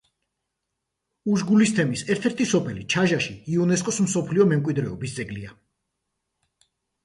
უშგულის თემის ერთ-ერთი სოფელი, ჩაჟაში, იუნესკოს მსოფლიო მემკვიდრეობის ძეგლია.